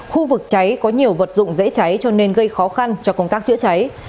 khu vực cháy có nhiều vật dụng dễ cháy cho nên gây khó khăn cho công tác chữa cháy